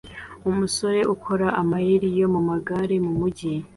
Umusore ukora amayeri yo mumagare mumujyi